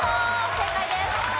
正解です。